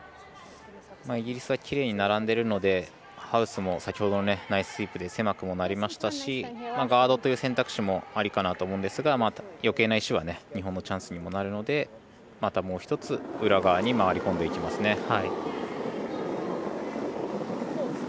イギリスはきれいに並んでいるのでハウスも先ほどのナイススイープで狭くもなりましたしガードという選択肢もありかなと思うんですがよけいな石は日本のチャンスにもなるのでもう１つ裏側に回り込んでいきますね。